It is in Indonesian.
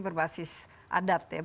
berbasis adat ya berbasis terhadap